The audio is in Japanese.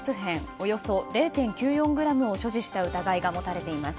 およそ０．９４ｇを所持した疑いが持たれています。